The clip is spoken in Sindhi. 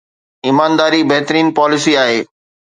ايمانداري بهترين پاليسي آهي.